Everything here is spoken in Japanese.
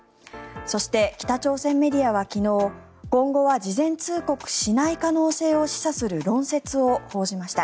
そして、北朝鮮メディアは昨日今後は事前通告しない可能性を示唆する論説を報じました。